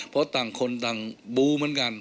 เพราะต่างคนต่างบูเหมือนกัน